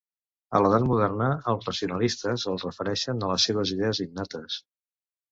A l'edat moderna els racionalistes el refereixen a les seves idees innates.